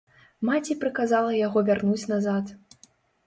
Маці прыказала яго вярнуць назад.